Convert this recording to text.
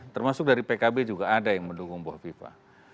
termasuk dari pkb juga ada yang mendukung bu kofifah